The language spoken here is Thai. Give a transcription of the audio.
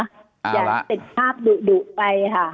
อย่าติดภาพดุไปค่ะ